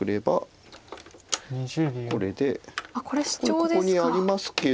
ここにありますけど。